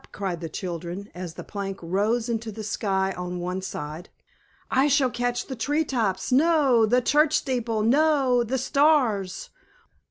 cried the children, as the plank rose into the sky on one side. "I shall catch the tree tops no! the church steeple no! the stars."